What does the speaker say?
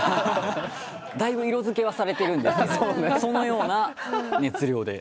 だいぶ色付けはされてるんですけどそのような熱量で。